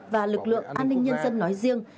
và lực lượng an ninh nhân dân nói riêng